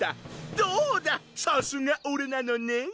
どうださすがオレなのねん！